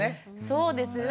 そうですね。